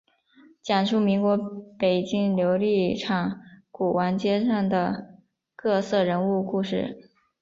讲述民国北京琉璃厂古玩街上的各色人物故事。